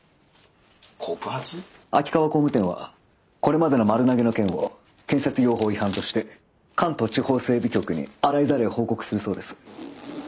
秋川工務店はこれまでの丸投げの件を建設業法違反として関東地方整備局に洗いざらい報告するそうです。